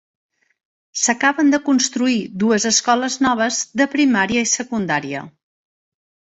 S'acaben de construir dues escoles noves de primària i secundària.